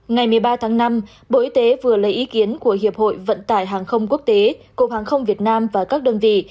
ngày một mươi ba tháng năm bộ y tế vừa lấy ý kiến của hiệp hội vận tải hàng không quốc tế cục hàng không việt nam và các đơn vị